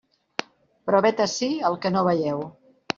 Però vet ací el que no veieu.